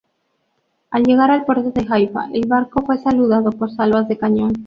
Al llegar al puerto de Haifa, el barco fue saludado por salvas de cañón.